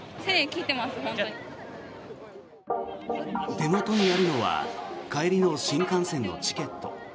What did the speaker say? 手元にあるのは帰りの新幹線のチケット。